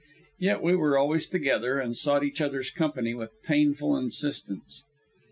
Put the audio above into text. Yet we were always together, and sought each other's company with painful insistence.